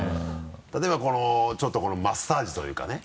例えばちょっとこのマッサージというかね。